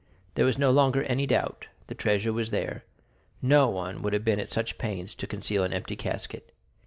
There was no longer any doubt: the treasure was there—no one would have been at such pains to conceal an empty casket.